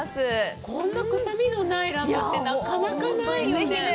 こんな臭みのないラムってなかなかないよね。